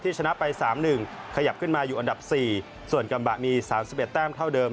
ชนะไป๓๑ขยับขึ้นมาอยู่อันดับ๔ส่วนกัมบะมี๓๑แต้มเท่าเดิม